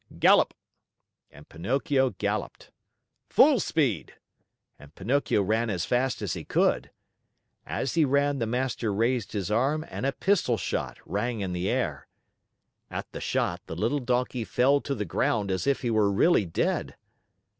"Gallop!" and Pinocchio galloped. "Full speed!" and Pinocchio ran as fast as he could. As he ran the master raised his arm and a pistol shot rang in the air. At the shot, the little Donkey fell to the ground as if he were really dead.